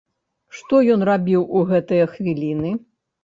Што ён рабіў у гэтыя хвіліны?